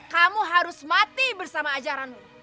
kamu harus mati bersama ajaranmu